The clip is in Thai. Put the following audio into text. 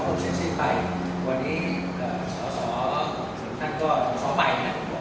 วันนี้ชอติดทั้ง๒สบายเนี่ย